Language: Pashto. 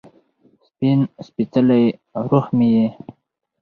سپین سپيڅلې روح مې یې